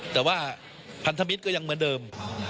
แต่ว่าพันธมิตรก็ยังเหมือนเดิม